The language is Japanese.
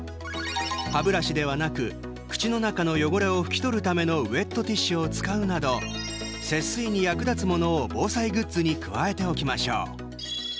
歯ブラシではなく口の中の汚れを拭き取るためのウエットティッシュを使うなど節水に役立つものを防災グッズに加えておきましょう。